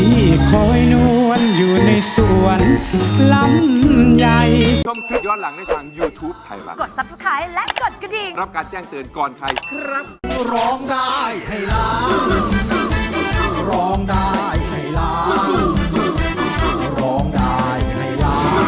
คอยนวลอยู่ในสวนลำใหญ่